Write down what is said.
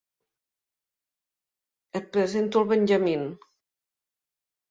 Et presento el Benjamin.